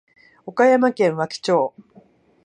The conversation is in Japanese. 岡山県和気町